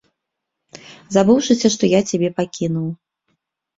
Забыўшыся, што я цябе пакінуў.